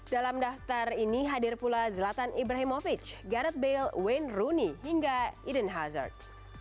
dalam daftar ini hadir pula zlatan ibrahimovic gareth bale wayne rooney hingga eden hazard